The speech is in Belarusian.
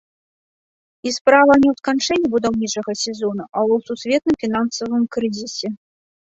І справа не ў сканчэнні будаўнічага сезону, а ў сусветным фінансавым крызісе.